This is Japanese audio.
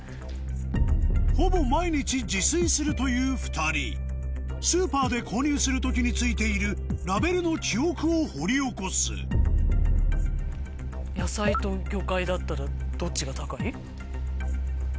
ほぼ毎日自炊するという２人スーパーで購入する時に付いているラベルの記憶を掘り起こす野菜と魚介だったら。